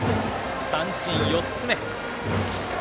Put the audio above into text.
三振４つ目。